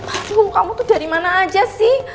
aduh kamu tuh dari mana aja sih